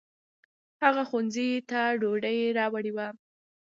هغه ښوونځي ته ډوډۍ راوړې وه.